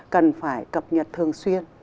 cần phải cập nhật thường xuyên